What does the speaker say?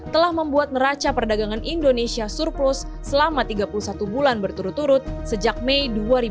telah membuat neraca perdagangan indonesia surplus selama tiga puluh satu bulan berturut turut sejak mei dua ribu dua puluh